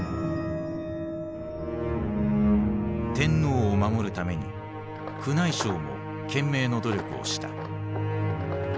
天皇を守るために宮内省も懸命の努力をした。